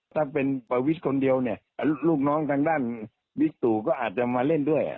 ถ้าเป็นประวิทย์คนเดียวเนี่ยลูกน้องทางด้านบิ๊กตู่ก็อาจจะมาเล่นด้วย